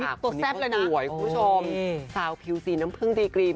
ตัวแซ่บเลยนะสวยคุณผู้ชมสาวผิวสีน้ำผึ้งดีกรีม